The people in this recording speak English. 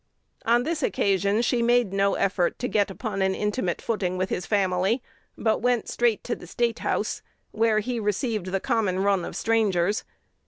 On this occasion she made no effort to get upon an intimate footing with his family, but went straight to the State House, where he received the common run of strangers.